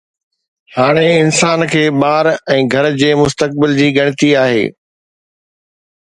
هاڻي انسان کي ٻار ۽ گهر جي مستقبل جي ڳڻتي آهي.